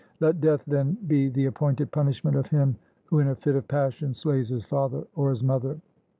Let death then be the appointed punishment of him who in a fit of passion slays his father or his mother.